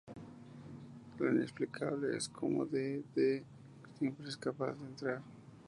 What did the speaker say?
Lo inexplicable es cómo Dee Dee siempre es capaz de entrar.